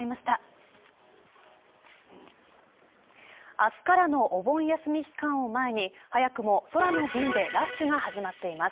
明日からのお盆休み期間を前に早くも空の便でラッシュが始まっています。